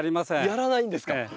やらないんですか！